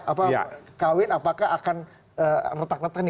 apa kawin apakah akan retak retak nih